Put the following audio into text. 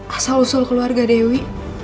asal usul keluarga dewi